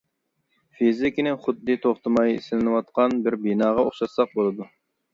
فىزىكىنى خۇددى توختىماي سېلىنىۋاتقان بىر بىناغا ئوخشاتساق بولىدۇ.